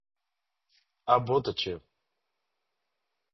آپ بہت اچھے ہو ـ